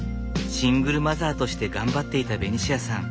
シングルマザーとして頑張っていたベニシアさん。